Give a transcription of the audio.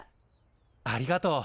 ありがとう。